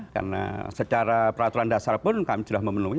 karena secara peraturan dasar pun kami sudah memenuhi